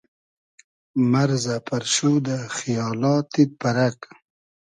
مئرزۂ پئرشودۂ خیالا تید پئرئگ